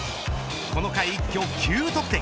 この回一挙、９得点。